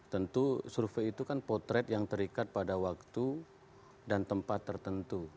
tentu survei itu kan potret yang terikat pada waktu dan tempat tertentu